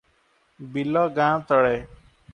ବିଲ ଗାଁ ତଳେ ।